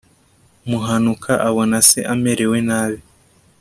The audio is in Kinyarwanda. muhanuka abona se amarerwe nabi